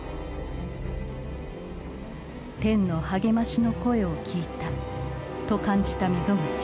「天の励ましの声を聴いた」と感じた溝口。